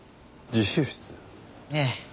ええ。